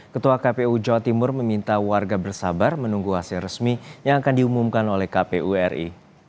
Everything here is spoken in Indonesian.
ketua kpu jawa timur meminta warga bersabar menunggu hasil resmi yang akan diumumkan oleh kpu ri